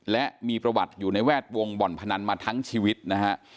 และมีประวัติอยู่ในแวดวงบ่อนพนันมาทั้งชีวิตนะฮะ